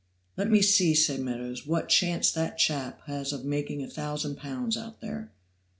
"Let me see," said Meadows, "what chance that chap has of making a thousand pounds out there."